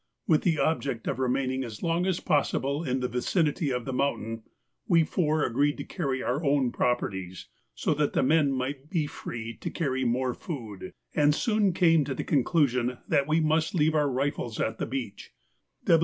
With the object of remaining as long as possible in the vicinity of the mountain, we four agreed to carry our own properties, so that the men might be free to carry more food, and soon came to the conclusion that we must leave our rifles at the beach.